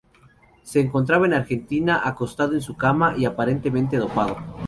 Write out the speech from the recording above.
Se encontraba en Argentina, acostado en su cama y aparentemente dopado.